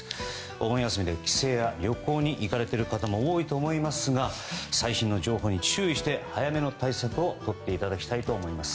お盆休みで帰省や旅行に行かれている方も多いと思いますが最新の情報に注意して早めの対策をとってもらいたいと思います。